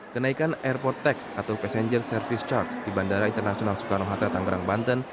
kenaikan airport tax atau passenger service charge di bandara internasional soekarno hatta tanggerang banten